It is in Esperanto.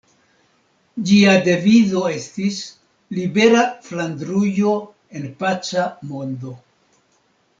Ĝia devizo estis "Libera Flandrujo en paca mondo".